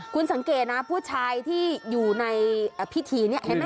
คุณสังเกตนะผู้ชายที่อยู่ในพิธีนี้